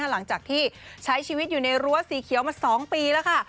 หลังจากที่ใช้ชีวิตอยู่ในรั้วสีเขียวมา๒ปีแล้วค่ะ